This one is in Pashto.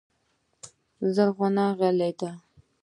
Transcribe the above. زرغونه غلې ده .